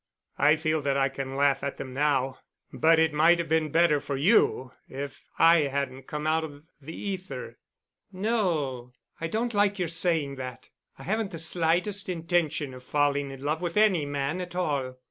"I feel that I can laugh at them now. But it might have been better for you if I hadn't come out of the ether." "No. I don't like your saying that. I haven't the slightest intention of falling in love with any man at all.